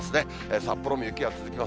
札幌も雪が続きます。